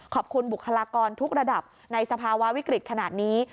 ขอบคุณบุคลากรทุกระดับในสภาวะวิกฤตขนาดนี้